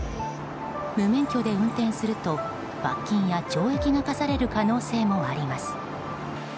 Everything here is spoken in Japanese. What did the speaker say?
無免許で運転すると罰金や懲役が科される可能性もあります。